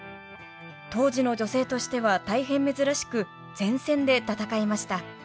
当時の女性としては大変珍しく前線で戦いました。